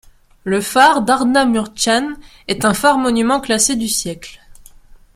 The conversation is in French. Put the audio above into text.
Le phare d'Ardnamurchan est un phare monument classé du siècle.